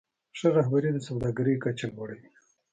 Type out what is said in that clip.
ښه رهبري د سوداګرۍ کچه لوړوي.